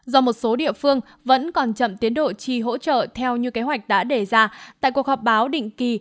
do một số địa phương vẫn còn chậm tiến độ trì hỗ trợ theo như kế hoạch đã đề ra tại cuộc họp báo định kỳ